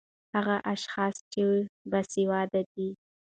هغه اشحاص چې باسېواده دي